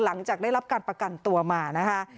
หลังจากได้รับการประกันตัวมานะคะ